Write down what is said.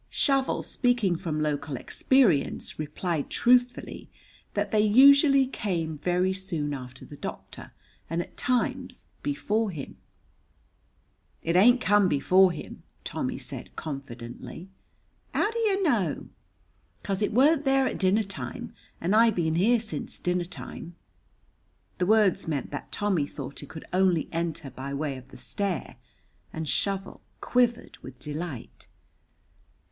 Shovel, speaking from local experience, replied truthfully that they usually came very soon after the doctor, and at times before him. "It ain't come before him," Tommy said, confidently. "How do yer know?" "'Cos it weren't there at dinner time, and I been here since dinner time." The words meant that Tommy thought it could only enter by way of the stair, and Shovel quivered with delight.